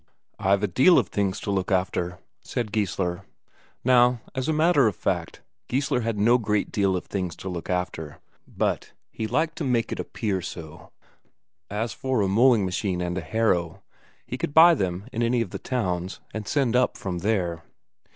"I've a deal of things to look after," said Geissler. Now, as a matter of fact, Geissler had no great deal of things to look after, but he liked to make it appear so. As for a mowing machine and a harrow, he could buy them in any of the towns, and send up from there.